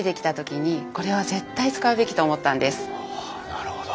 なるほど。